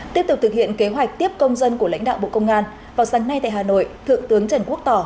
tiếp tục thực hiện kế hoạch tiếp công dân của lãnh đạo bộ công an vào sáng nay tại hà nội thượng tướng trần quốc tỏ